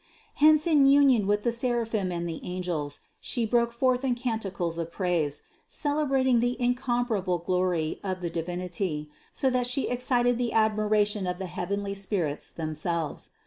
Hence in union with the seraphim and the angels She broke forth in can ticles of praise, celebrating the incomparable glory of the Divinity, so that She excited the admiration of the heaven ly spirits themselves.